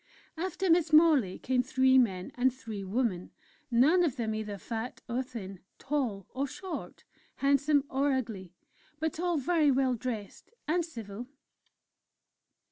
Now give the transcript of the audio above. After Miss Morley came three men and three women, none of them either fat or thin, tall or short, handsome or ugly but all very well dressed and civil.